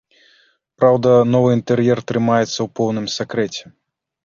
Праўда, новы інтэр'ер трымаецца ў поўным сакрэце.